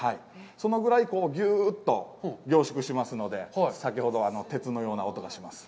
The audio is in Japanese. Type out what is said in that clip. そのぐらい、ぎゅうっと凝縮しますので、先ほどの鉄のような音がします。